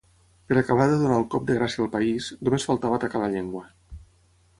Per acabar de donar el cop de gràcia al país, només faltava atacar la llengua.